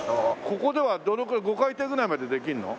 ここではどのくらい５回転ぐらいまでできるの？